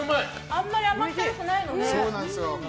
あんまり甘ったるくないのね。